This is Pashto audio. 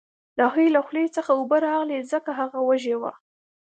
د هغې له خولې څخه اوبه راغلې ځکه هغه وږې وه